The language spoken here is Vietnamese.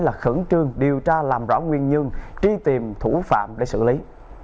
là khẩn trương điều tra làm rõ nguyên nhân truy tìm thủ phạm để xử lý